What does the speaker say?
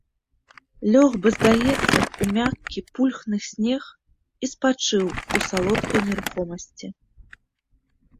Лёг бы, здаецца, у мяккі, пульхны снег і спачыў у салодкай нерухомасці.